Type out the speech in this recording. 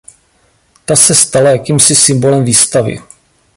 Ta se stala jakýmsi symbolem výstavy.